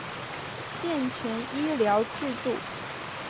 健全医疗制度